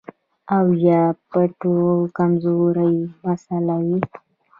او يا د پټو د کمزورۍ مسئله وي